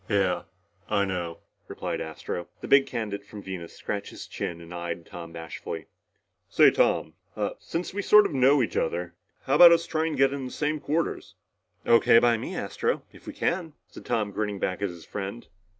"Yeah, I know," replied Astro. The big candidate from Venus scratched his chin and eyed Tom bashfully. "Say, Tom ah, since we sort of know each other, how about us trying to get in the same quarters?" "O.K. by me, Astro, if we can," said Tom, grinning back at his friend.